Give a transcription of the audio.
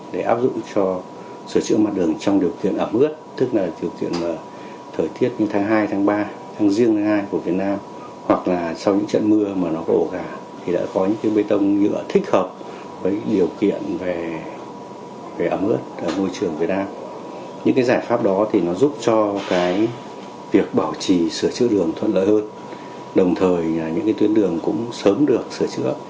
đồng thời những tuyến đường cũng sớm được sửa chữa